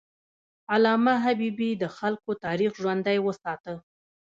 علامه حبیبي د خلکو تاریخ ژوندی وساته.